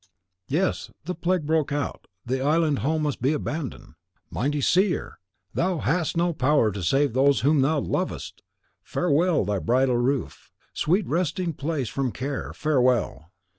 Yes, the plague broke out, the island home must be abandoned. Mighty Seer, THOU HAST NO POWER TO SAVE THOSE WHOM THOU LOVEST! Farewell, thou bridal roof! sweet resting place from care, farewell!